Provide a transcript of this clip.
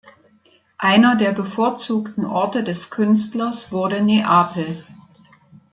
Einer der bevorzugten Orte des Künstlers wurde Neapel.